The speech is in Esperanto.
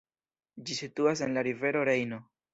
Ĝi situas en la rivero Rejno.